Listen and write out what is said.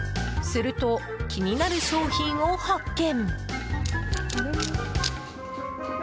すると、気になる商品を発見。